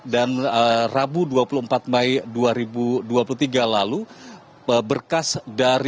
dan rabu dua puluh empat mei dua ribu dua puluh tiga lalu berkas dari